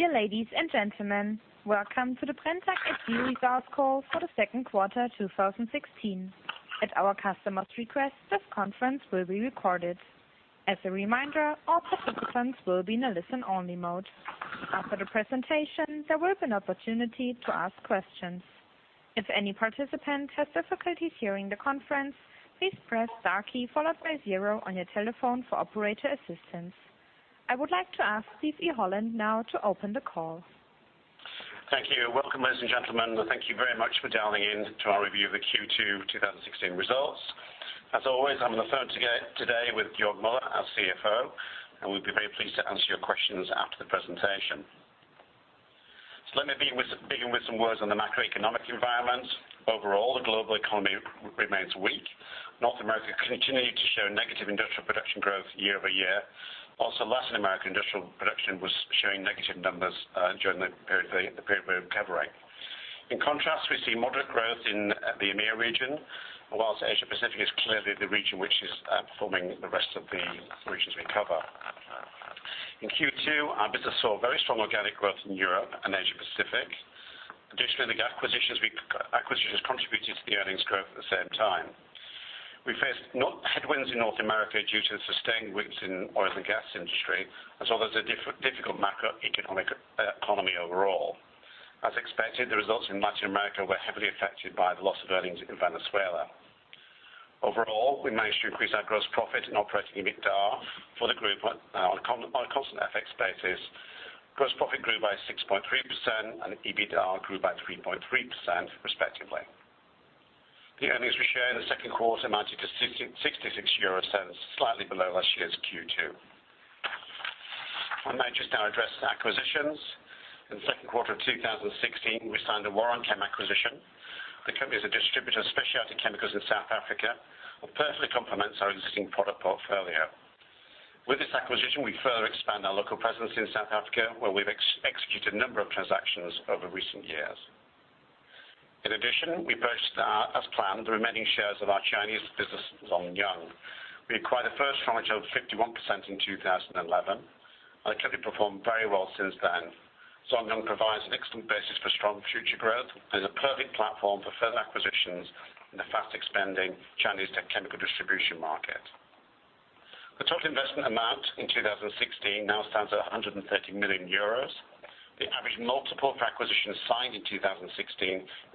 Dear ladies and gentlemen, welcome to the Brenntag AG results call for the second quarter 2016. At our customers' request, this conference will be recorded. As a reminder, all participants will be in a listen-only mode. After the presentation, there will be an opportunity to ask questions. If any participants have difficulties hearing the conference, please press star key followed by zero on your telephone for operator assistance. I would like to ask Steve Holland now to open the call. Thank you. Welcome, ladies and gentlemen. Thank you very much for dialing in to our review of the Q2 2016 results. As always, I'm on the phone today with Georg Mueller, our CFO, and we'll be very pleased to answer your questions after the presentation. Let me begin with some words on the macroeconomic environment. Overall, the global economy remains weak. North America continued to show negative industrial production growth year-over-year. Also, Latin American industrial production was showing negative numbers during the period we were covering. In contrast, we see moderate growth in the EMEA region, whilst Asia Pacific is clearly the region which is outperforming the rest of the regions we cover. In Q2, our business saw very strong organic growth in Europe and Asia Pacific. Additionally, the acquisitions contributed to the earnings growth at the same time. We faced headwinds in North America due to the sustained weakness in oil and gas industry, as well as a difficult macroeconomic economy overall. As expected, the results in Latin America were heavily affected by the loss of earnings in Venezuela. Overall, we managed to increase our gross profit and operating EBITDA for the group on a constant FX basis. Gross profit grew by 6.3% and EBITDA grew by 3.3% respectively. The earnings we show in the second quarter amounted to 0.66 euros, slightly below last year's Q2. I might just now address the acquisitions. In the second quarter of 2016, we signed the Warren Chem acquisition. The company is a distributor of specialty chemicals in South Africa and perfectly complements our existing product portfolio. With this acquisition, we further expand our local presence in South Africa, where we've executed a number of transactions over recent years. In addition, we purchased, as planned, the remaining shares of our Chinese business, Zhong Yung. We acquired the first tranche of 51% in 2011, and the company performed very well since then. Zhong Yung provides an excellent basis for strong future growth and is a perfect platform for further acquisitions in the fast-expanding Chinese chemical distribution market. The total investment amount in 2016 now stands at 130 million euros. The average multiple for acquisitions signed in 2016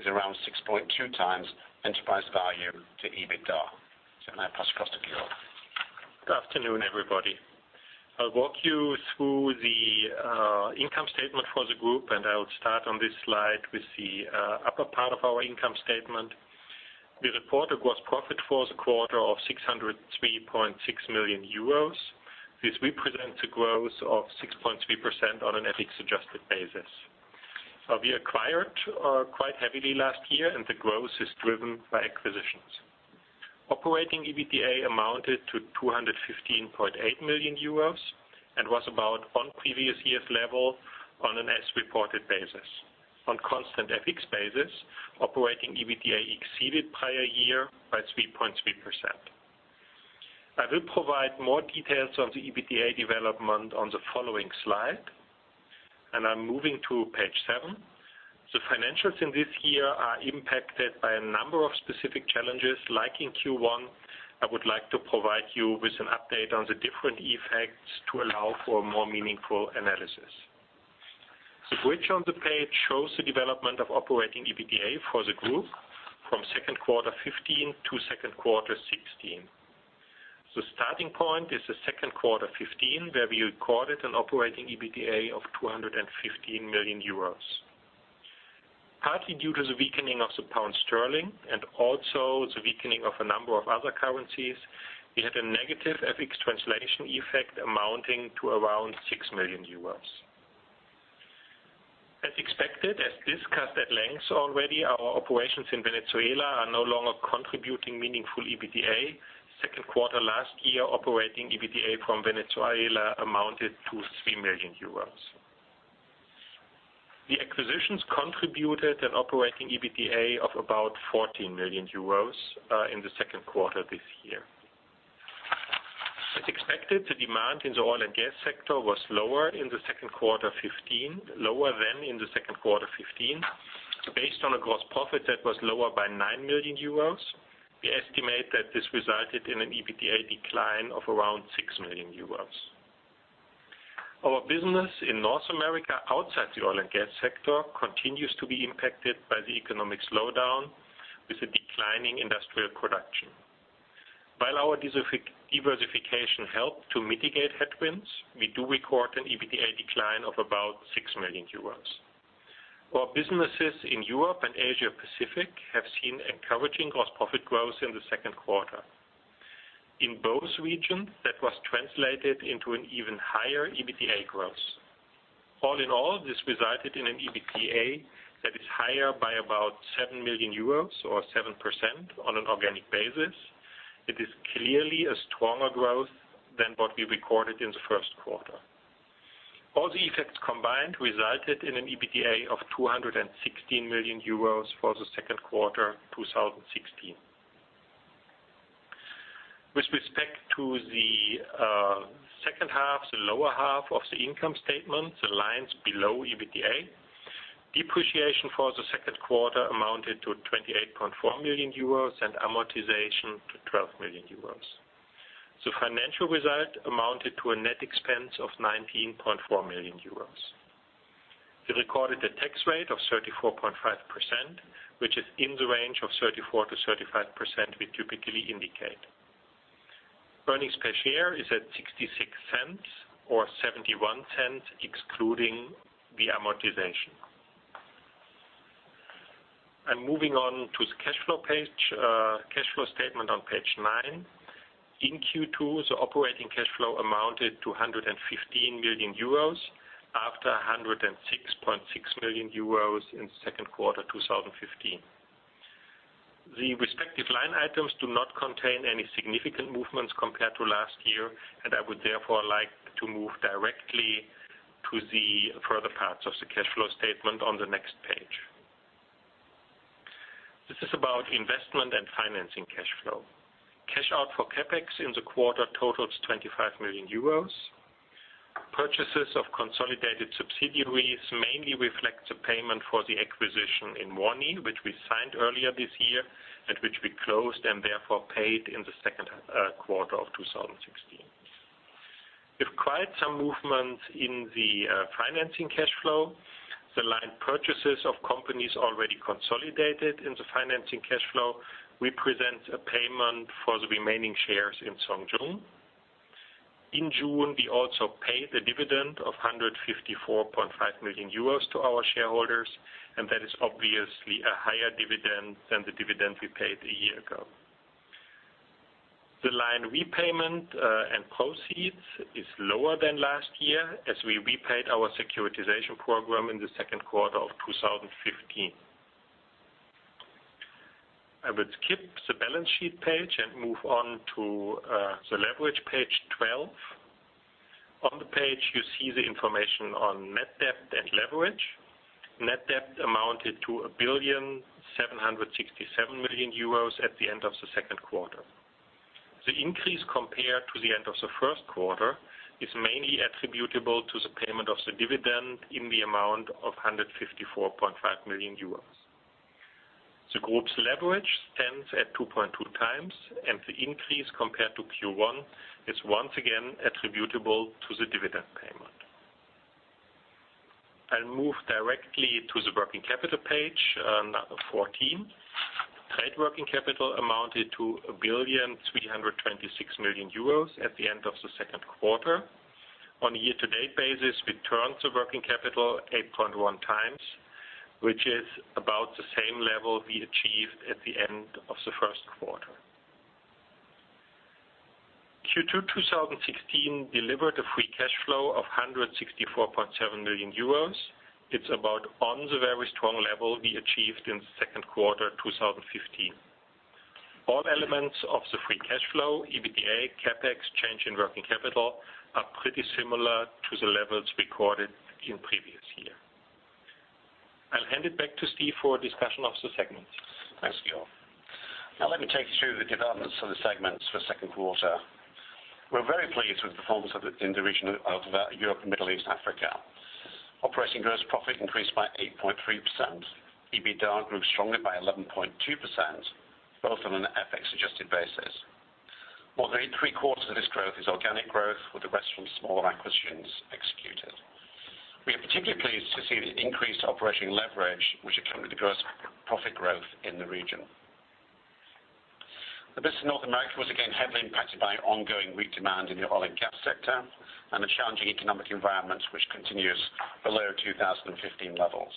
is around 6.2 times enterprise value to EBITDA. Now I pass across to Georg. Good afternoon, everybody. I'll walk you through the income statement for the group. I will start on this slide with the upper part of our income statement. We report a gross profit for the quarter of 603.6 million euros. This represents a growth of 6.3% on an FX adjusted basis. We acquired quite heavily last year. The growth is driven by acquisitions. Operating EBITDA amounted to 215.8 million euros and was about on previous year's level on an as reported basis. On constant FX basis, operating EBITDA exceeded prior year by 3.3%. I will provide more details on the EBITDA development on the following slide. I'm moving to page seven. The financials in this year are impacted by a number of specific challenges. Like in Q1, I would like to provide you with an update on the different effects to allow for a more meaningful analysis. The bridge on the page shows the development of operating EBITDA for the group from second quarter 2015 to second quarter 2016. The starting point is the second quarter 2015, where we recorded an operating EBITDA of 215 million euros. Partly due to the weakening of the pound sterling and also the weakening of a number of other currencies, we had a negative FX translation effect amounting to around 6 million euros. As expected, as discussed at length already, our operations in Venezuela are no longer contributing meaningful EBITDA. Second quarter last year, operating EBITDA from Venezuela amounted to 3 million euros. The acquisitions contributed an operating EBITDA of about 14 million euros in the second quarter this year. As expected, the demand in the oil and gas sector was lower than in the second quarter 2015. Based on a gross profit that was lower by 9 million euros, we estimate that this resulted in an EBITDA decline of around 6 million euros. Our business in North America, outside the oil and gas sector, continues to be impacted by the economic slowdown with a declining industrial production. While our diversification helped to mitigate headwinds, we do record an EBITDA decline of about 6 million euros. Our businesses in Europe and Asia Pacific have seen encouraging gross profit growth in the second quarter. In both regions, that was translated into an even higher EBITDA growth. All in all, this resulted in an EBITDA that is higher by about 7 million euros or 7% on an organic basis. It is clearly a stronger growth than what we recorded in the first quarter. All the effects combined resulted in an EBITDA of 216 million euros for the second quarter 2016. To the second half, the lower half of the income statement, the lines below EBITDA. Depreciation for the second quarter amounted to 28.4 million euros and amortization to 12 million euros. Financial result amounted to a net expense of 19.4 million euros. We recorded a tax rate of 34.5%, which is in the range of 34%-35% we typically indicate. Earnings per share is at 0.66 or 0.71 excluding the amortization. Moving on to the cash flow statement on page nine. In Q2, the operating cash flow amounted to 115 million euros after 106.6 million euros in second quarter 2015. The respective line items do not contain any significant movements compared to last year. I would therefore like to move directly to the further parts of the cash flow statement on the next page. This is about investment and financing cash flow. Cash out for CapEx in the quarter totals 25 million euros. Purchases of consolidated subsidiaries mainly reflect the payment for the acquisition in Warren Chem, which we signed earlier this year and which we closed and therefore paid in the second quarter of 2016. We've quite some movement in the financing cash flow. The line purchases of companies already consolidated in the financing cash flow, we present a payment for the remaining shares in Zhong Yung. In June, we also paid a dividend of 154.5 million euros to our shareholders. That is obviously a higher dividend than the dividend we paid a year ago. The line repayment and proceeds is lower than last year as we repaid our securitization program in the second quarter of 2015. I would skip the balance sheet page and move on to the leverage page 12. On the page, you see the information on net debt and leverage. Net debt amounted to 1,767 million euros at the end of the second quarter. The increase compared to the end of the first quarter is mainly attributable to the payment of the dividend in the amount of 154.5 million euros. The group's leverage stands at 2.2 times. The increase compared to Q1 is once again attributable to the dividend payment. I'll move directly to the working capital page 14. Trade working capital amounted to 1,326 million euros at the end of the second quarter. On a year-to-date basis, we turned the working capital 8.1 times, which is about the same level we achieved at the end of the first quarter. Q2 2016 delivered a free cash flow of 164.7 million euros. It's about on the very strong level we achieved in the second quarter 2015. All elements of the free cash flow, EBITDA, CapEx, change in working capital, are pretty similar to the levels recorded in previous year. I'll hand it back to Steve for a discussion of the segments. Thanks, Georg. Let me take you through the developments of the segments for the second quarter. We're very pleased with the performance in the region of Europe, Middle East, Africa. Operating gross profit increased by 8.3%. EBITDA grew strongly by 11.2%, both on an FX adjusted basis. More than three-quarters of this growth is organic growth with the rest from small acquisitions executed. We are particularly pleased to see the increased operating leverage which accompanied the gross profit growth in the region. The business in North America was again heavily impacted by ongoing weak demand in the oil and gas sector and the challenging economic environment which continues below 2015 levels.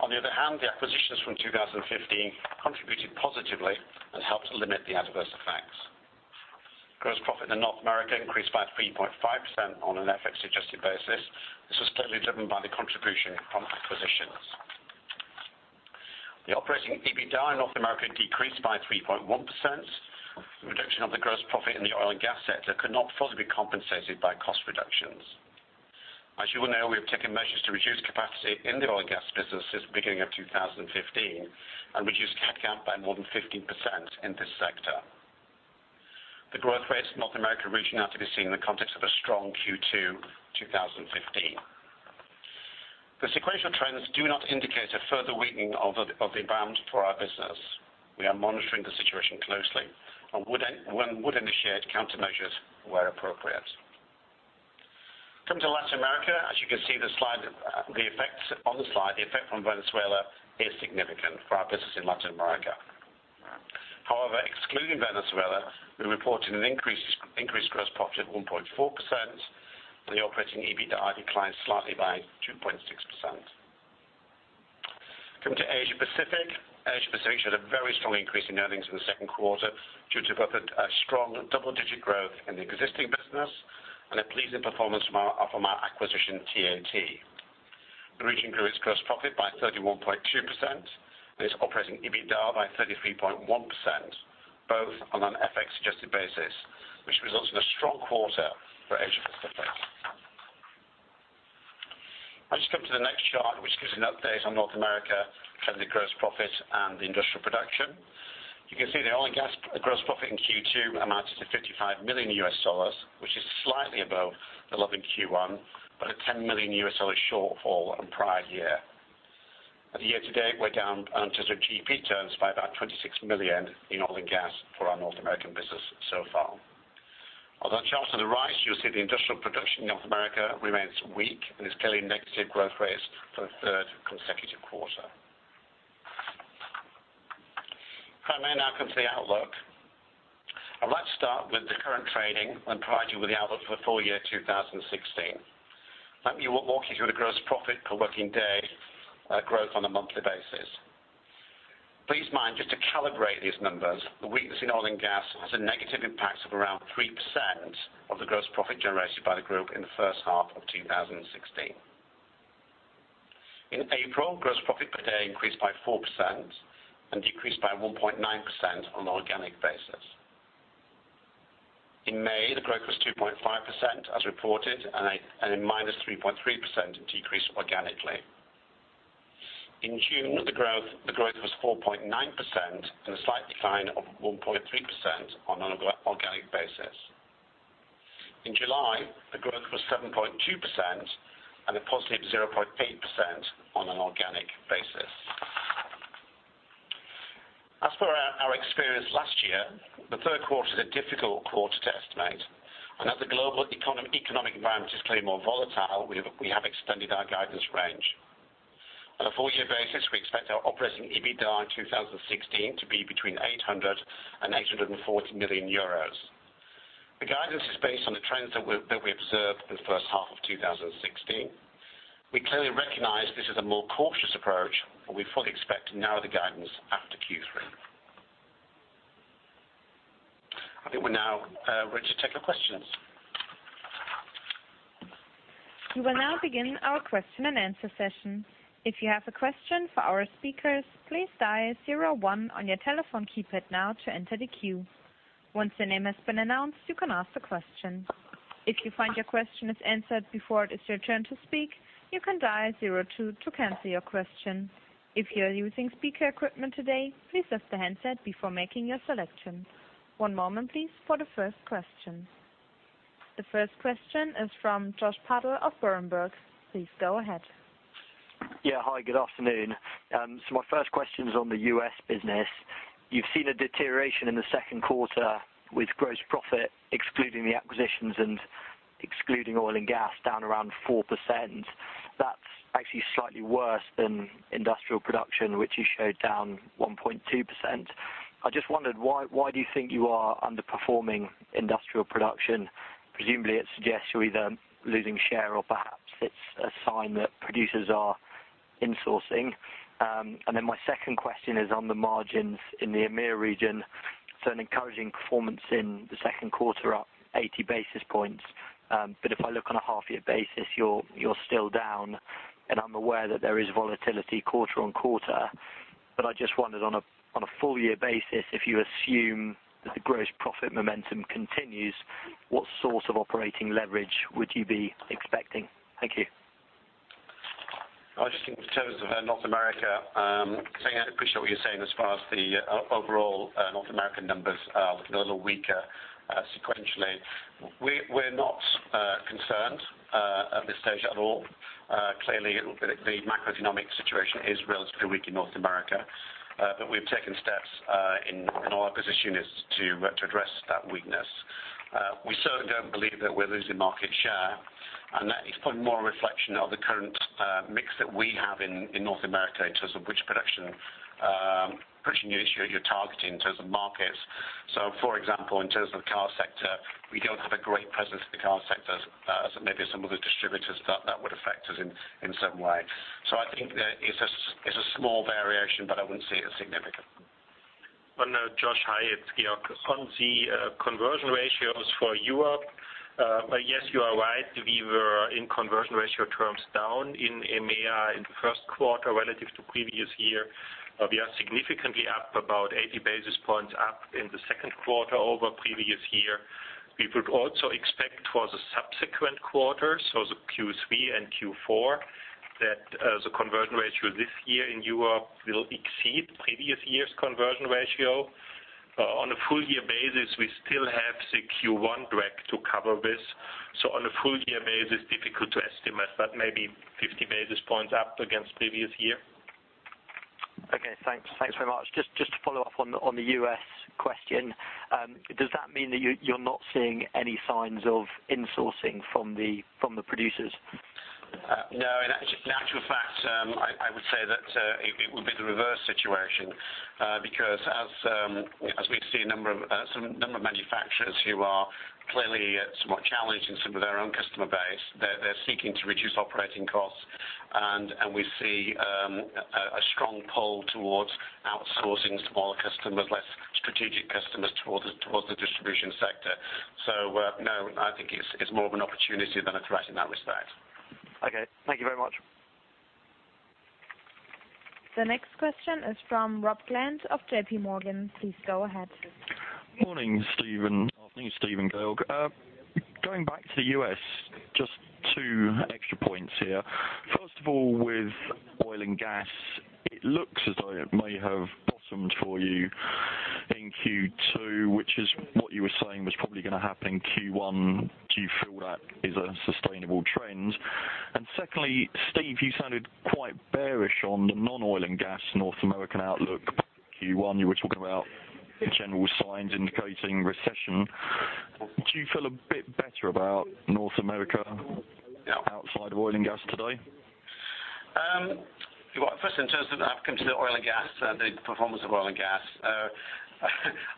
On the other hand, the acquisitions from 2015 contributed positively and helped limit the adverse effects. Gross profit in North America increased by 3.5% on an FX adjusted basis. This was clearly driven by the contribution from acquisitions. The operating EBITDA in North America decreased by 3.1%. The reduction of the gross profit in the oil and gas sector could not fully be compensated by cost reductions. As you will know, we have taken measures to reduce capacity in the oil and gas business since the beginning of 2015 and reduced head count by more than 15% in this sector. The growth rates in North America region are to be seen in the context of a strong Q2 2015. The sequential trends do not indicate a further weakening of the environment for our business. We are monitoring the situation closely and would initiate countermeasures where appropriate. Come to Latin America. As you can see on the slide, the effect from Venezuela is significant for our business in Latin America. However, excluding Venezuela, we reported an increased gross profit of 1.4% and the operating EBITDA declined slightly by 2.6%. Come to Asia Pacific. Asia Pacific had a very strong increase in earnings in the second quarter due to both a strong double-digit growth in the existing business and a pleasing performance from our acquisition, TAT. The region grew its gross profit by 31.2% and its operating EBITDA by 33.1%, both on an FX adjusted basis, which results in a strong quarter for Asia Pacific. I'll just come to the next chart, which gives an update on North America trends in gross profit and industrial production. You can see the oil and gas gross profit in Q2 amounted to $55 million, which is slightly above the level in Q1, but a $10 million shortfall on prior year. At the year to date, we're down in terms of GP turns by about 26 million in oil and gas for our North American business so far. On the chart to the right, you'll see the industrial production in North America remains weak and is clearly negative growth rates for the third consecutive quarter. If I may now come to the outlook. I'd like to start with the current trading and provide you with the outlook for full year 2016. Let me walk you through the gross profit per working day growth on a monthly basis. Please mind, just to calibrate these numbers, the weakness in oil and gas has a negative impact of around 3% of the gross profit generated by the group in the first half of 2016. In April, gross profit per day increased by 4% and decreased by 1.9% on an organic basis. In May, the growth was 2.5% as reported, and a -3.3% decrease organically. In June, the growth was 4.9% and a slight decline of 1.3% on an organic basis. In July, the growth was 7.2% and a +0.8% on an organic basis. As for our experience last year, the third quarter is a difficult quarter to estimate. As the global economic environment is clearly more volatile, we have extended our guidance range. On a full-year basis, we expect our operating EBITDA in 2016 to be between 800 million euros and 840 million euros. The guidance is based on the trends that we observed in the first half of 2016. We clearly recognize this is a more cautious approach, but we fully expect to narrow the guidance after Q3. I think we're now ready to take your questions. We will now begin our question and answer session. If you have a question for our speakers, please dial zero one on your telephone keypad now to enter the queue. Once your name has been announced, you can ask the question. If you find your question is answered before it is your turn to speak, you can dial zero two to cancel your question. If you are using speaker equipment today, please press the handset before making your selection. One moment, please, for the first question. The first question is from Josh Puddle of Berenberg. Please go ahead. Hi, good afternoon. My first question is on the U.S. business. You've seen a deterioration in the second quarter with gross profit, excluding the acquisitions and excluding oil and gas, down around 4%. That's actually slightly worse than industrial production, which you showed down 1.2%. I just wondered, why do you think you are underperforming industrial production? Presumably, it suggests you're either losing share or perhaps it's a sign that producers are insourcing. Then my second question is on the margins in the EMEA region. An encouraging performance in the second quarter, up 80 basis points. If I look on a half-year basis, you're still down, and I'm aware that there is volatility quarter on quarter. I just wondered on a full year basis, if you assume that the gross profit momentum continues, what sort of operating leverage would you be expecting? Thank you. I just think in terms of North America, I appreciate what you're saying as far as the overall North American numbers looking a little weaker sequentially. We're not concerned at this stage at all. Clearly, the macroeconomic situation is relatively weak in North America, but we've taken steps in our business units to address that weakness. We certainly don't believe that we're losing market share, and that is probably more a reflection of the current mix that we have in North America in terms of which production you're targeting in terms of markets. For example, in terms of the car sector, we don't have a great presence in the car sector as maybe some other distributors that would affect us in some way. I think that it's a small variation, but I wouldn't say it's significant. Josh, hi, it's Georg. On the conversion ratios for Europe. Yes, you are right. We were in conversion ratio terms down in EMEA in the first quarter relative to previous year. We are significantly up about 80 basis points up in the second quarter over previous year. We would also expect for the subsequent quarters, the Q3 and Q4, that the conversion ratio this year in Europe will exceed previous year's conversion ratio. On a full year basis, we still have the Q1 drag to cover this. On a full year basis, difficult to estimate, but maybe 50 basis points up against previous year. Okay, thanks. Thanks very much. Just to follow up on the U.S. question. Does that mean that you're not seeing any signs of insourcing from the producers? No, in actual fact, I would say that it would be the reverse situation because as we see a number of manufacturers who are clearly somewhat challenged in some of their own customer base, they're seeking to reduce operating costs. We see a strong pull towards outsourcing smaller customers, less strategic customers towards the distribution sector. No, I think it's more of an opportunity than a threat in that respect. Okay. Thank you very much. The next question is from Rob Glenn of JP Morgan. Please go ahead. Morning, Stephen. Afternoon, Stephen Georg. Going back to the U.S., just two extra points here. First of all, with oil and gas, it looks as though it may have bottomed for you in Q2, which is what you were saying was probably going to happen in Q1. Do you feel that is a sustainable trend? Secondly, Steve, you sounded quite bearish on the non-oil and gas North American outlook for Q1. You were talking about general signs indicating recession. Do you feel a bit better about North America outside of oil and gas today? Well, first in terms of oil and gas, the performance of oil and gas.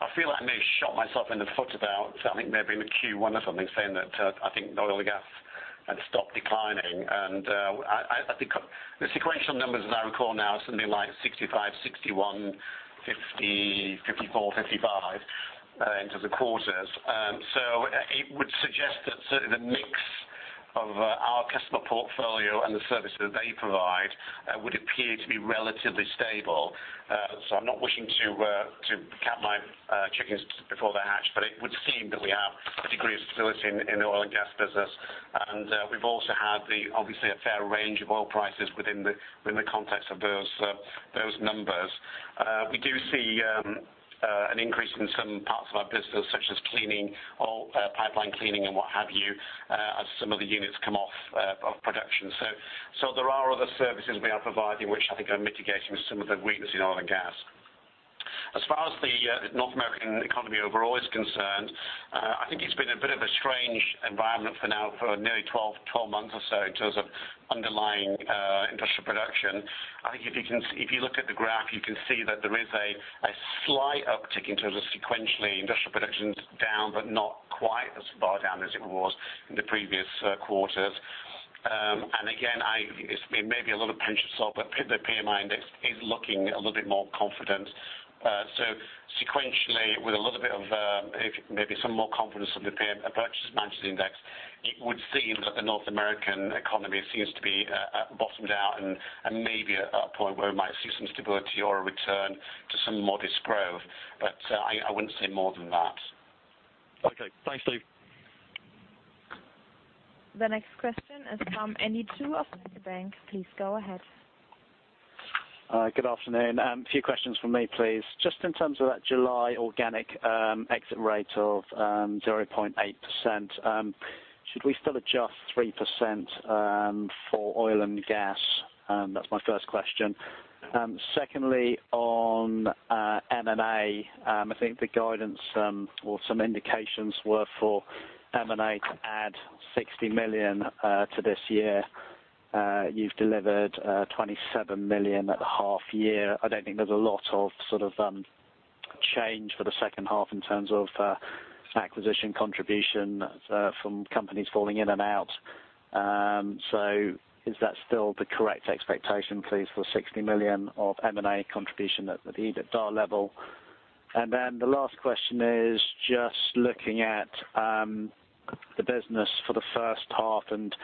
I feel I may have shot myself in the foot about, I think maybe in the Q1 or something, saying that I think the oil and gas had stopped declining. I think the sequential numbers, as I recall now, are something like $65, $61, $50, $54, $55 into the quarters. It would suggest that certainly the mix of our customer portfolio and the services they provide would appear to be relatively stable. I'm not wishing to count my chickens before they hatch, but it would seem that we have a degree of stability in the oil and gas business. We've also had obviously a fair range of oil prices within the context of those numbers. We do see an increase in some parts of our business, such as pipeline cleaning and what have you, as some of the units come off of production. There are other services we are providing, which I think are mitigating some of the weakness in oil and gas. As far as the North American economy overall is concerned, I think it's been a bit of a strange environment for now for nearly 12 months or so in terms of underlying industrial production. I think if you look at the graph, you can see that there is a slight uptick in terms of sequentially industrial production's down, but not quite as far down as it was in the previous quarters. Again, it may be a lot of pension solve, but the PMI index is looking a little bit more confident. Sequentially, with a little bit of maybe some more confidence of the purchase management index, it would seem that the North American economy seems to be at bottomed out and maybe at a point where we might see some stability or a return to some modest growth. I wouldn't say more than that. Okay. Thanks, Steve. The next question is from Andy Tu of Citibank. Please go ahead. Good afternoon. A few questions from me, please. Just in terms of that July organic exit rate of 0.8%, should we still adjust 3% for oil and gas? That's my first question. Secondly, on M&A, I think the guidance or some indications were for M&A to add 60 million to this year. You've delivered 27 million at the half year. I don't think there's a lot of change for the second half in terms of acquisition contribution from companies falling in and out. Is that still the correct expectation, please, for 60 million of M&A contribution at the EBITDA level? The last question is just looking at the business for the first half and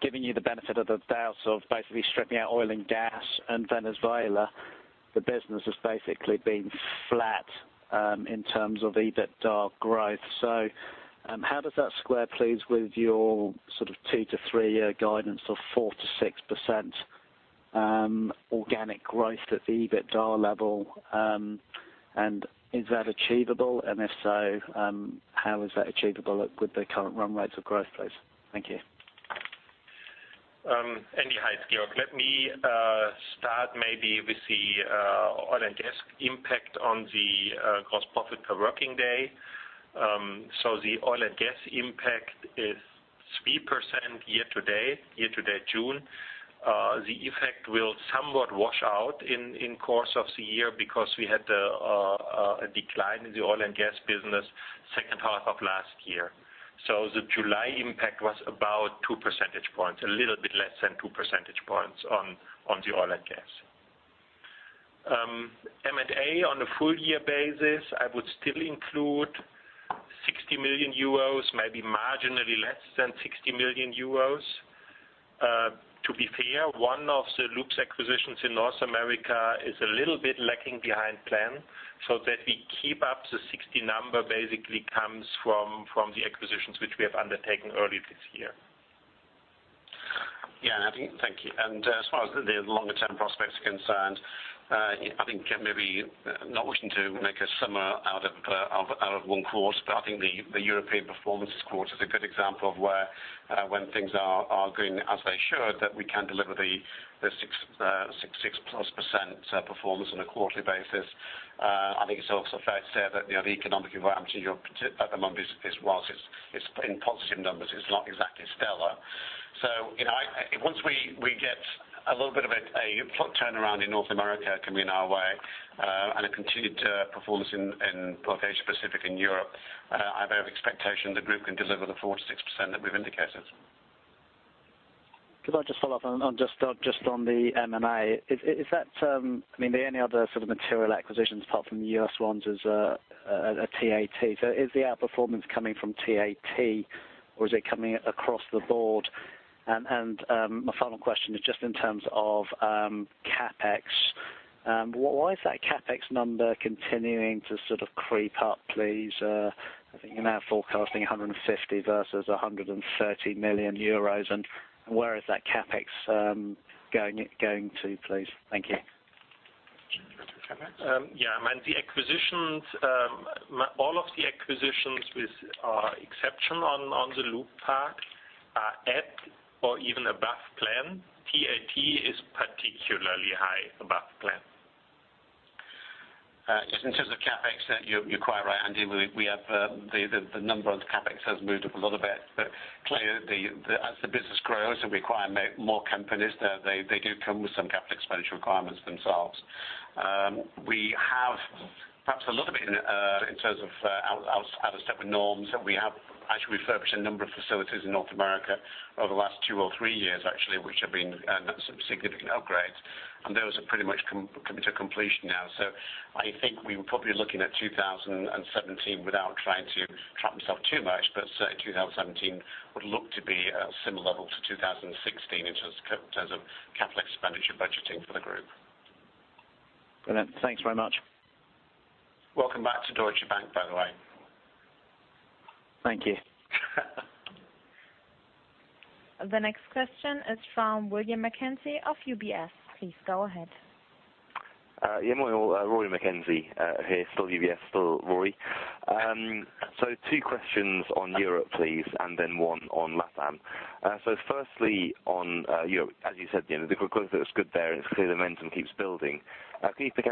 giving you the benefit of the doubt of basically stripping out oil and gas and Venezuela, the business has basically been flat in terms of EBITDA growth. How does that square please with your two to three-year guidance of 4% to 6% organic growth at the EBITDA level? Is that achievable? If so, how is that achievable with the current run rates of growth, please? Thank you. Andy. Hi, it's Georg. Let me start maybe with the oil and gas impact on the gross profit per working day. The oil and gas impact is 3% year to date, June. The effect will somewhat wash out in course of the year because we had a decline in the oil and gas business second half of last year. The July impact was about two percentage points, a little bit less than two percentage points on the oil and gas. M&A on a full year basis, I would still include 60 million euros, maybe marginally less than 60 million euros. To be fair, one of the loop acquisitions in North America is a little bit lacking behind plan. That we keep up the 60 number basically comes from the acquisitions which we have undertaken earlier this year. Yeah. Thank you. As far as the longer term prospects concerned, I think maybe not wishing to make a summer out of one quarter, but I think the European performance quarter is a good example of where when things are going as they should, that we can deliver the 6% plus performance on a quarterly basis. I think it's also fair to say that the economic environment in Europe at the moment is, whilst it's in positive numbers, it's not exactly stellar. Once we get a little bit of a turnaround in North America coming our way, and a continued performance in both Asia Pacific and Europe, I have expectation the group can deliver the 4%-6% that we've indicated. Could I just follow up on just on the M&A. Are there any other material acquisitions apart from the U.S. ones as a TAT? Is the outperformance coming from TAT or is it coming across the board? My final question is just in terms of CapEx. Why is that CapEx number continuing to sort of creep up, please? I think you're now forecasting 150 million versus 130 million euros, and where is that CapEx going to, please? Thank you. Yeah. All of the acquisitions, with exception on the loop park, are at or even above plan. TAT is particularly high above plan. Just in terms of CapEx, you're quite right, Andy. The number on CapEx has moved up a little bit. Clearly, as the business grows, we acquire more companies. They do come with some capital expenditure requirements themselves. We have perhaps a little bit in terms of out of step with norms that we have actually refurbished a number of facilities in North America over the last two or three years actually, which have been some significant upgrades, and those are pretty much coming to completion now. I think we're probably looking at 2017 without trying to trap myself too much, but certainly 2017 would look to be a similar level to 2016 in terms of capital expenditure budgeting for the group. Brilliant. Thanks very much. Welcome back to Deutsche Bank, by the way. Thank you. The next question is from William McKenzie of UBS. Please go ahead. Yeah. Morning all. Rory McKenzie here, still UBS, still Rory. Two questions on Europe, please, then one on LATAM. Firstly on Europe, as you said at the end of the call, it was good there and it is clear the momentum keeps building. Can you pick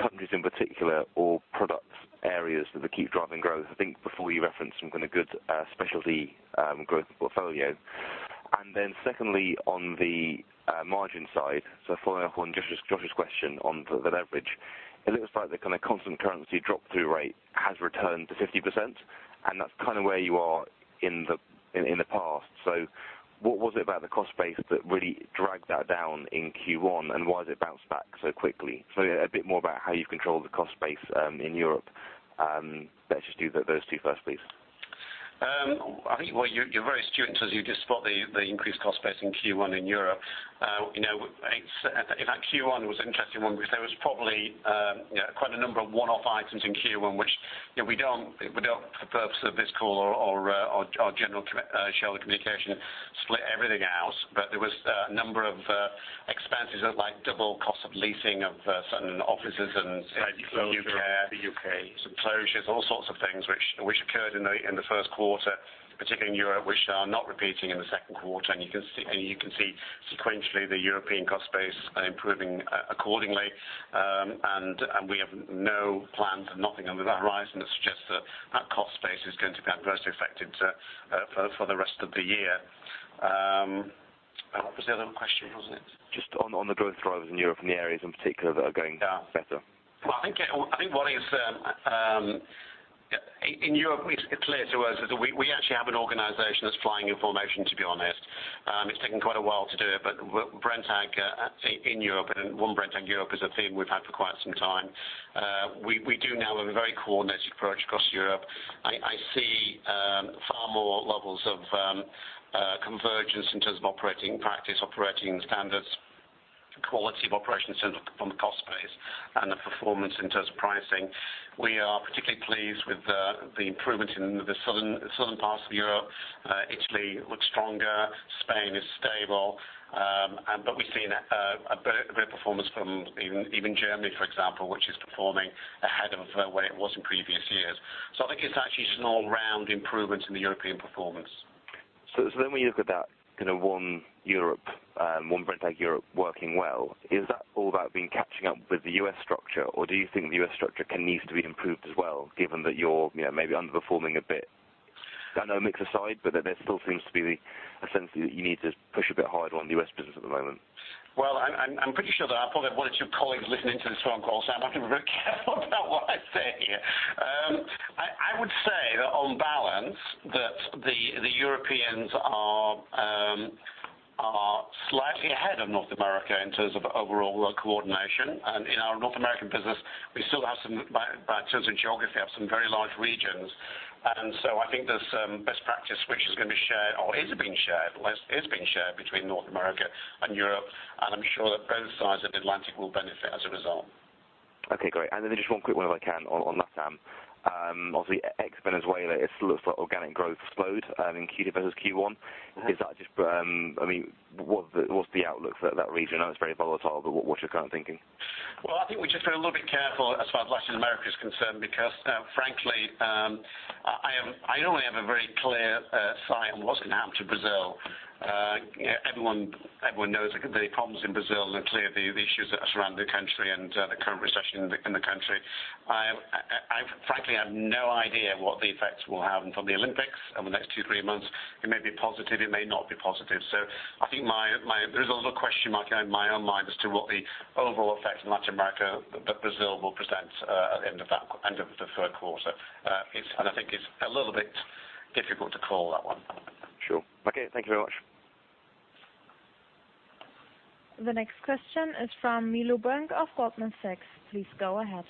out countries in particular or product areas that keep driving growth? I think before you referenced some kind of good specialty growth portfolio. Then secondly, on the margin side, following up on Josh's question on the leverage. It looks like the kind of constant currency drop-through rate has returned to 50%, and that is kind of where you are in the past. What was it about the cost base that really dragged that down in Q1, and why has it bounced back so quickly? Yeah, a bit more about how you control the cost base in Europe. Let's just do those two first, please. I think, well, you are very astute as you just spot the increased cost base in Q1 in Europe. In fact, Q1 was an interesting one because there was probably quite a number of one-off items in Q1, which we do not for the purpose of this call or general shareholder communication split everything out. There was a number of expenses like double cost of leasing of certain offices and. Site closure in the U.K. some closures, all sorts of things which occurred in the first quarter, particularly in Europe, which are not repeating in the second quarter. You can see sequentially the European cost base improving accordingly. We have no plans and nothing on the horizon that suggests that that cost base is going to be adversely affected for the rest of the year. What was the other question? What was it? Just on the growth drivers in Europe and the areas in particular that are going better. Well, I think what it is, in Europe it's clear to us that we actually have an organization that's flying in formation, to be honest. It's taken quite a while to do it, but Brenntag in Europe and one Brenntag Europe is a theme we've had for quite some time. We do now have a very coordinated approach across Europe. I see far more levels of convergence in terms of operating practice, operating standards, quality of operations from the cost base and the performance in terms of pricing. We are particularly pleased with the improvement in the southern parts of Europe. Italy looks stronger, Spain is stable. We've seen a great performance from even Germany, for example, which is performing ahead of where it was in previous years. I think it's actually an all-round improvement in the European performance. When you look at that kind of one Europe, one Brenntag Europe working well, is that all about been catching up with the U.S. structure or do you think the U.S. structure needs to be improved as well, given that you're maybe underperforming a bit? I know mix aside, but there still seems to be a sense that you need to push a bit harder on the U.S. business at the moment. Well, I'm pretty sure that I've probably got one of your colleagues listening to this phone call, so I have to be very careful about what I say here. I would say that on balance, that the Europeans are slightly ahead of North America in terms of overall coordination. In our North American business, we still have some, by terms of geography, have some very large regions. I think there's some best practice which is going to be shared or is being shared between North America and Europe. I'm sure that both sides of the Atlantic will benefit as a result. Okay, great. Just one quick one if I can on LATAM. Obviously ex Venezuela it looks like organic growth slowed in Q2 versus Q1. What's the outlook for that region? I know it's very volatile, but what's your current thinking? Well, I think we've just got to be a little bit careful as far as Latin America is concerned because, frankly, I only have a very clear sight on what's going to happen to Brazil. Everyone knows the problems in Brazil are clear, the issues that surround the country and the current recession in the country. I frankly have no idea what the effects will have on the Olympics over the next two, three months. It may be positive, it may not be positive. I think there is a little question mark in my own mind as to what the overall effect in Latin America that Brazil will present at the end of the third quarter. I think it's a little bit difficult to call that one. Sure. Okay. Thank you very much. The next question is from Milu Birnk of Goldman Sachs. Please go ahead.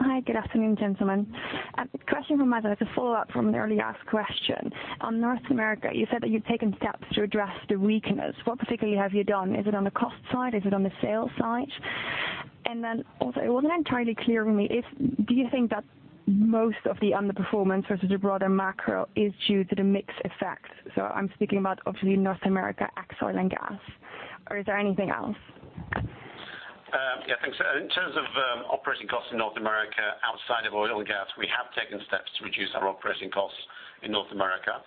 Hi. Good afternoon, gentlemen. A question from us as a follow-up from an earlier asked question. On North America, you said that you'd taken steps to address the weakness. What particularly have you done? Is it on the cost side? Is it on the sales side? Then also, it wasn't entirely clear to me, do you think that most of the underperformance versus the broader macro is due to the mix effects? I'm speaking about obviously North America, ex oil and gas. Is there anything else? Yeah, thanks. In terms of operating costs in North America, outside of oil and gas, we have taken steps to reduce our operating costs in North America.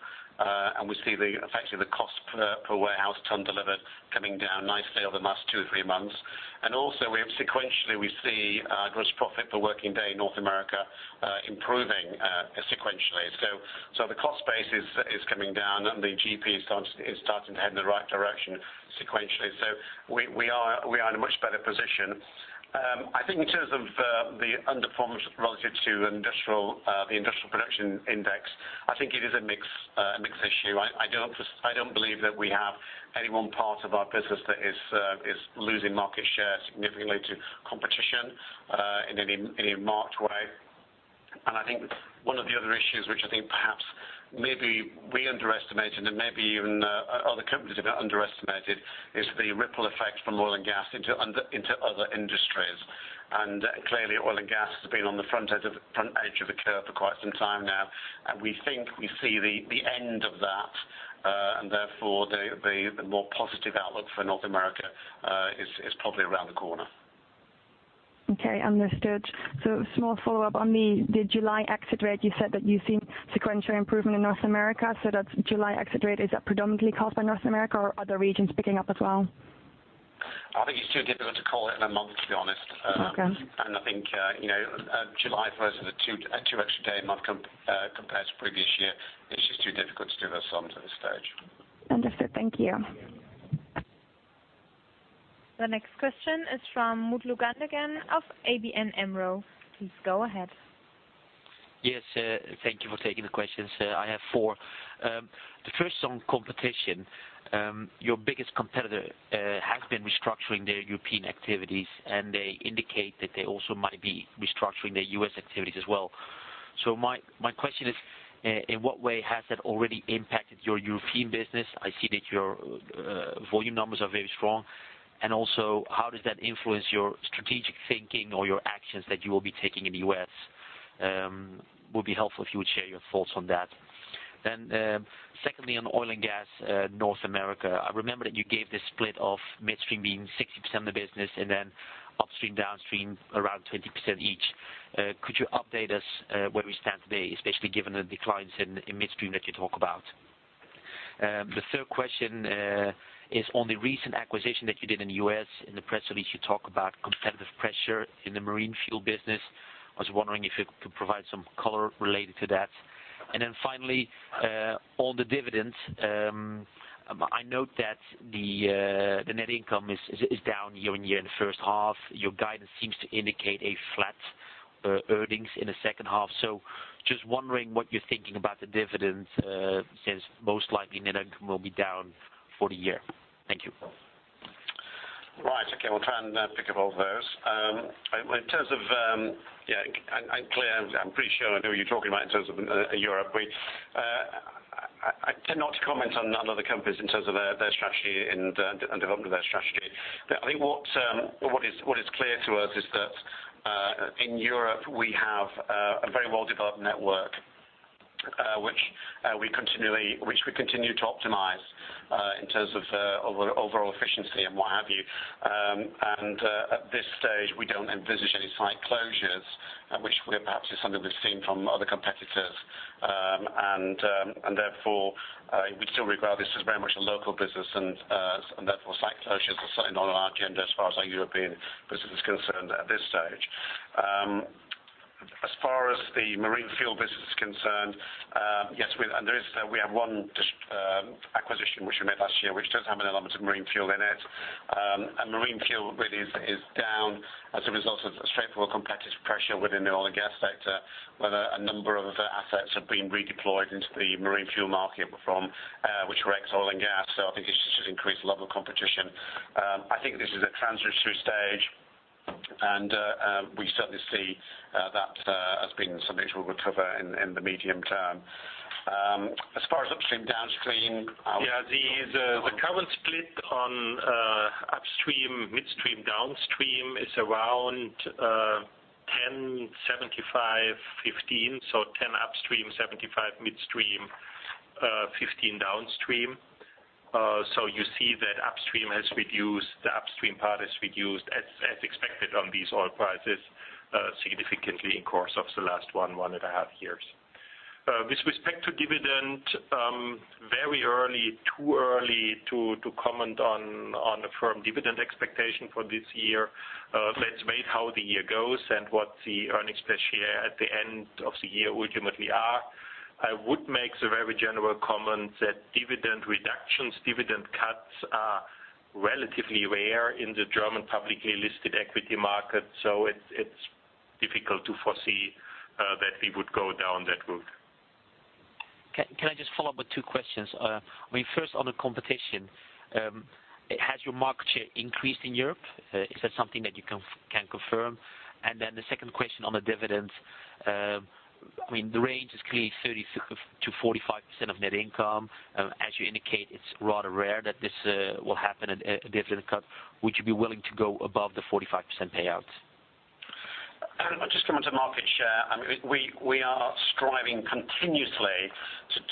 We see effectively the cost per warehouse ton delivered coming down nicely over the last two or three months. Also sequentially, we see gross profit per working day in North America improving sequentially. The cost base is coming down and the GP is starting to head in the right direction sequentially. We are in a much better position. I think in terms of the underperformance relative to the industrial production index, I think it is a mix issue. I don't believe that we have any one part of our business that is losing market share significantly to competition in any marked way. I think one of the other issues which I think perhaps maybe we underestimated and maybe even other companies have underestimated, is the ripple effect from oil and gas into other industries. Clearly oil and gas has been on the front edge of the curve for quite some time now. We think we see the end of that, and therefore the more positive outlook for North America is probably around the corner. Okay, understood. Small follow-up on the July exit rate. You said that you've seen sequential improvement in North America, so that July exit rate, is that predominantly caused by North America or other regions picking up as well? I think it's too difficult to call it in a month, to be honest. Okay. I think July versus the two extra day month compared to previous year, it's just too difficult to do those sums at this stage. Understood. Thank you. The next question is from Mutlu Gundogan of ABN AMRO. Please go ahead. Yes, thank you for taking the questions. I have four. The first on competition. Your biggest competitor has been restructuring their European activities, and they indicate that they also might be restructuring their U.S. activities as well. My question is, in what way has that already impacted your European business? I see that your volume numbers are very strong. How does that influence your strategic thinking or your actions that you will be taking in the U.S.? Would be helpful if you would share your thoughts on that. Secondly, on oil and gas, North America. I remember that you gave this split of midstream being 60% of the business, and then upstream, downstream around 20% each. Could you update us where we stand today, especially given the declines in midstream that you talk about? The third question is on the recent acquisition that you did in the U.S. In the press release, you talk about competitive pressure in the marine fuel business. I was wondering if you could provide some color related to that. Finally, on the dividends. I note that the net income is down year-on-year in the first half. Your guidance seems to indicate a flat earnings in the second half. Just wondering what you're thinking about the dividend, since most likely net income will be down for the year. Thank you. Right. Okay, we'll try and pick up all of those. In terms of, I'm pretty sure I know who you're talking about in terms of Europe. I tend not to comment on other companies in terms of their strategy and development of their strategy. I think what is clear to us is that in Europe we have a very well-developed network, which we continue to optimize in terms of overall efficiency and what have you. At this stage, we don't envisage any site closures, which perhaps is something we've seen from other competitors. Therefore, we still regard this as very much a local business and therefore site closures are certainly not on our agenda as far as our European business is concerned at this stage. As far as the marine fuel business is concerned, yes, we have one acquisition which we made last year, which does have an element of marine fuel in it. Marine fuel really is down as a result of straightforward competitive pressure within the oil and gas sector, where a number of assets have been redeployed into the marine fuel market from which were ex oil and gas. I think it's just increased the level of competition. I think this is a transitory stage, we certainly see that as being something that will recover in the medium term. As far as upstream, downstream- The current split on upstream, midstream, downstream is around 10/75/15. 10 upstream, 75 midstream, 15 downstream. You see that the upstream part is reduced as expected on these oil prices significantly in course of the last one and a half years. With respect to dividend, very early, too early to comment on a firm dividend expectation for this year. Let's wait how the year goes and what the earnings per share at the end of the year ultimately are. I would make the very general comment that dividend reductions, dividend cuts are relatively rare in the German publicly listed equity market. It's difficult to foresee that we would go down that route. Follow up with two questions. First, on the competition, has your market share increased in Europe? Is that something that you can confirm? The second question on the dividends. The range is clearly 30%-45% of net income. As you indicate, it's rather rare that this will happen at a dividend cut. Would you be willing to go above the 45% payout? I'll just come on to market share. We are striving continuously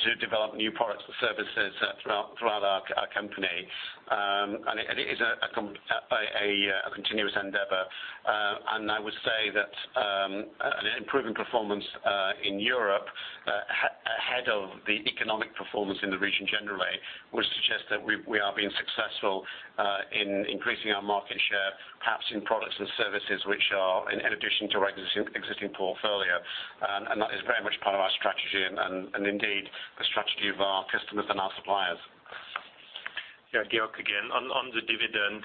to develop new products and services throughout our company. It is a continuous endeavor. I would say that an improving performance in Europe, ahead of the economic performance in the region generally, would suggest that we are being successful in increasing our market share, perhaps in products and services, which are in addition to our existing portfolio. That is very much part of our strategy and indeed the strategy of our customers and our suppliers. Georg again. On the dividend,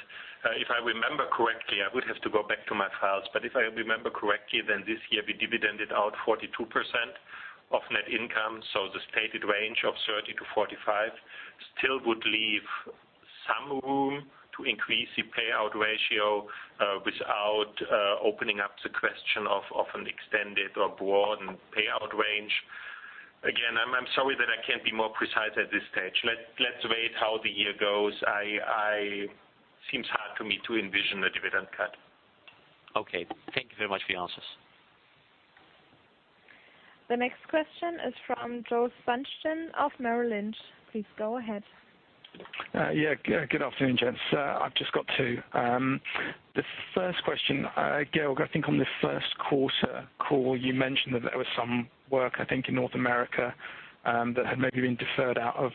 if I remember correctly, I would have to go back to my files, if I remember correctly, this year we dividended out 42% of net income. The stated range of 30%-45% still would leave some room to increase the payout ratio without opening up the question of an extended or broadened payout range. Again, I'm sorry that I can't be more precise at this stage. Let's wait how the year goes. Seems hard to me to envision a dividend cut. Thank you very much for your answers. The next question is from Joe Bunchan of Merrill Lynch. Please go ahead. Good afternoon, gents. I've just got two. The first question, Georg, I think on the first quarter call, you mentioned that there was some work, I think, in North America, that had maybe been deferred out of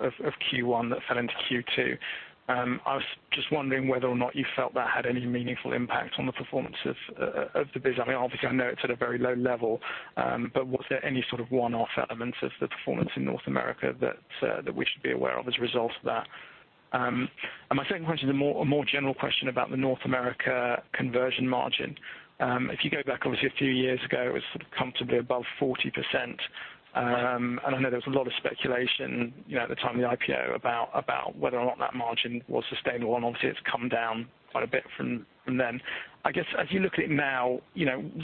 Q1 that fell into Q2. I was just wondering whether or not you felt that had any meaningful impact on the performance of the business. Obviously, I know it's at a very low level, but was there any sort of one-off element of the performance in North America that we should be aware of as a result of that? My second question is a more general question about the North America conversion margin. If you go back, obviously a few years ago, it was comfortably above 40%. I know there was a lot of speculation at the time of the IPO about whether or not that margin was sustainable, and obviously it's come down quite a bit from then. I guess as you look at it now,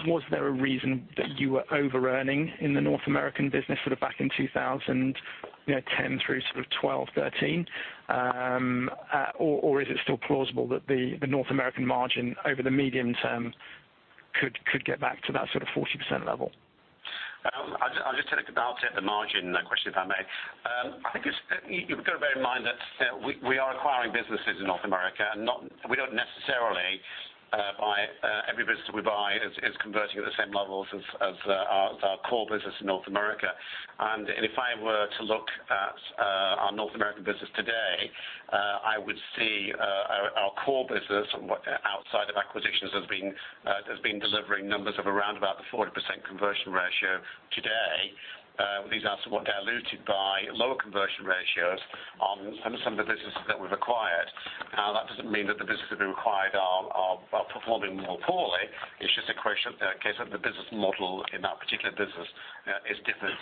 was there a reason that you were over-earning in the North American business back in 2010 through 2012, 2013? Is it still plausible that the North American margin over the medium term could get back to that sort of 40% level? I'll take the margin question, if I may. I think you've got to bear in mind that we are acquiring businesses in North America. Every business that we buy is converting at the same levels as our core business in North America. If I were to look at our North American business today, I would see our core business outside of acquisitions has been delivering numbers of around about the 40% conversion ratio today. These are somewhat diluted by lower conversion ratios on some of the businesses that we've acquired. That doesn't mean that the businesses we acquired are performing more poorly. It's just a case of the business model in that particular business is different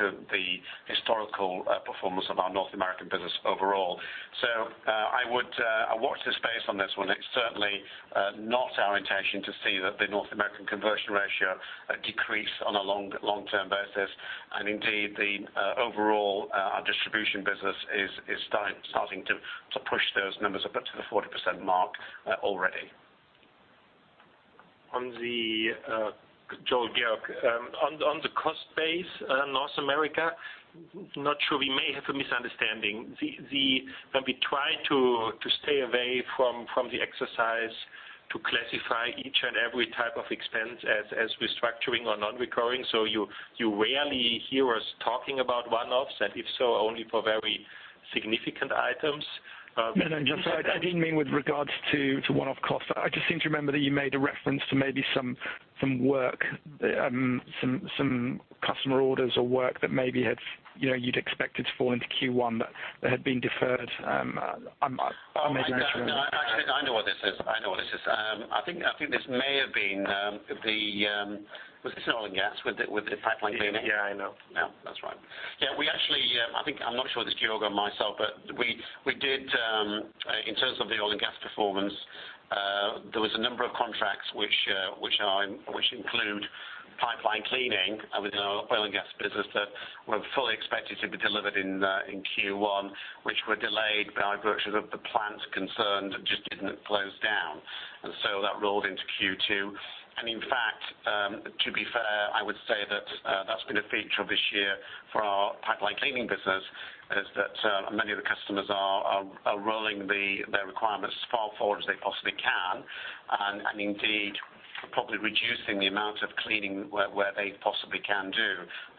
to the historical performance of our North American business overall. I would watch this space on this one. It's certainly not our intention to see that the North American conversion ratio decrease on a long-term basis. Indeed, the overall distribution business is starting to push those numbers up to the 40% mark already. Joe, Georg. On the cost base North America, not sure, we may have a misunderstanding. We try to stay away from the exercise to classify each and every type of expense as restructuring or non-recurring. You rarely hear us talking about one-offs, and if so, only for very significant items. I didn't mean with regards to one-off costs. I just seem to remember that you made a reference to maybe some customer orders or work that maybe you'd expected to fall into Q1 that had been deferred. I may be misremembering. Actually, I know what this is. I think this may have been the Was this oil and gas with the pipeline cleaning? Yeah, I know. Yeah, that's right. Yeah, I think I'm not sure whether it's Georg or myself, but we did, in terms of the oil and gas performance, there was a number of contracts which include pipeline cleaning within our oil and gas business that were fully expected to be delivered in Q1, which were delayed by virtue of the plants concerned just didn't close down. That rolled into Q2. In fact, to be fair, I would say that's been a feature of this year for our pipeline cleaning business, is that many of the customers are rolling their requirements as far forward as they possibly can, and indeed, probably reducing the amount of cleaning where they possibly can do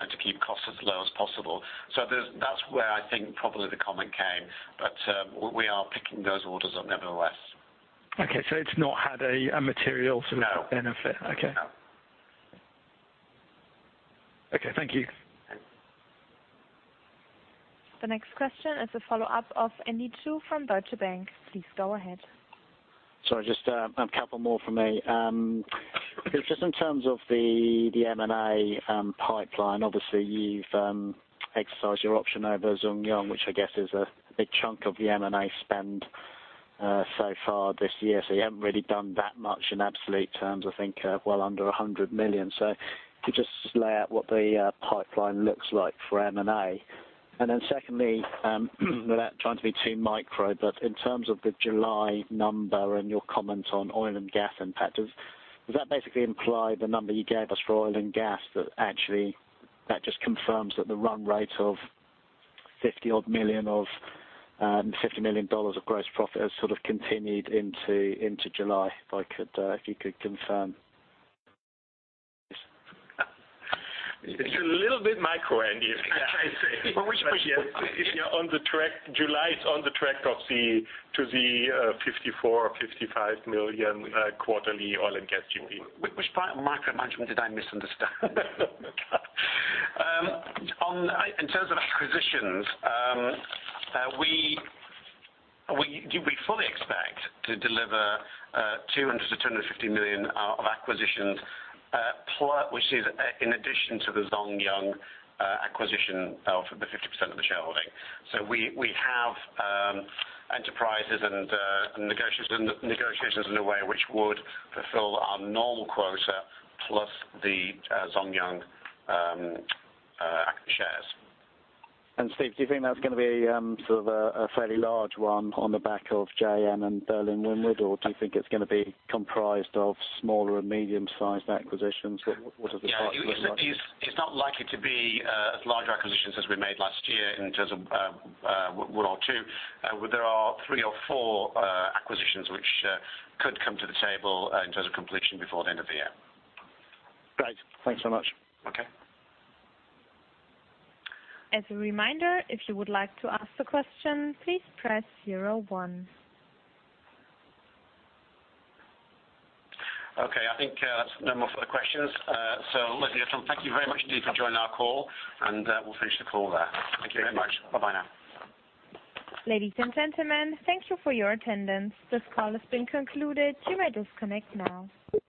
to keep costs as low as possible. That's where I think probably the comment came. We are picking those orders up nevertheless. Okay, it's not had a material sort of benefit? No. Okay. Okay. Thank you. Thanks. The next question is a follow-up of Andy Tu from Deutsche Bank. Please go ahead. Sorry, just a couple more from me. Just in terms of the M&A pipeline, obviously you've exercised your option over Zhong Yung, which I guess is a big chunk of the M&A spend so far this year. You haven't really done that much in absolute terms, I think well under 100 million. If you could just lay out what the pipeline looks like for M&A. Secondly, without trying to be too micro, in terms of the July number and your comment on oil and gas impact, does that basically imply the number you gave us for oil and gas? That actually just confirms that the run rate of $50 odd million of $50 million of gross profit has sort of continued into July. If you could confirm. It's a little bit micro, Andy. I see. Yes. July is on the track to the $54 million, $55 million quarterly oil and gas GP. Which part of micromanagement did I misunderstand? In terms of acquisitions, we fully expect to deliver 200 million-250 million of acquisitions, which is in addition to the Zhong Yung acquisition of the 50% of the shareholding. We have enterprises and negotiations in a way which would fulfill our normal quota plus the Zhong Yung shares. Steve, do you think that's going to be sort of a fairly large one on the back of J.A.M. and Berlin-Windward, or do you think it's going to be comprised of smaller and medium-sized acquisitions? What does the pipe look like? Yeah. It's not likely to be as large acquisitions as we made last year in terms of one or two. There are three or four acquisitions which could come to the table in terms of completion before the end of the year. Great. Thanks so much. Okay. As a reminder, if you would like to ask a question, please press zero one. I think that's no more further questions. Ladies and gentlemen, thank you very much, Steve, for joining our call, and we'll finish the call there. Thank you very much. Bye-bye now. Ladies and gentlemen, thank you for your attendance. This call has been concluded. You may disconnect now.